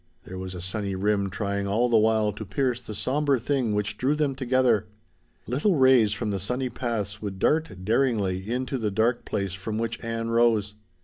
There was a sunny rim trying all the while to pierce the somber thing which drew them together. Little rays from the sunny paths would dart daringly in to the dark place from which Ann rose.